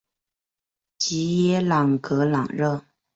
吉耶朗格朗热。